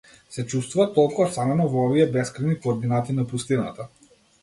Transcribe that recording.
Се чувствува толку осамено во овие бескрајни координати на пустината.